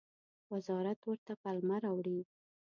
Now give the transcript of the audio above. وزارت ورته پلمه راوړي.